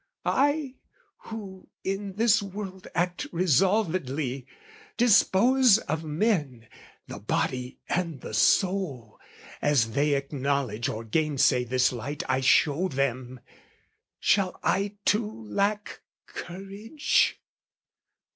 I, who in this world act resolvedly, Dispose of men, the body and the soul, As they acknowledge or gainsay this light I show them, shall I too lack courage?